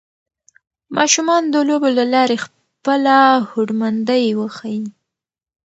ماشومان د لوبو له لارې خپله هوډمندۍ وښيي